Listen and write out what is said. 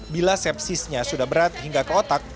bila sepsisnya sudah berat hingga ke otak